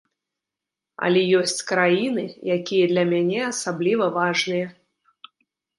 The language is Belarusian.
Але ёсць краіны, якія для мяне асабліва важныя.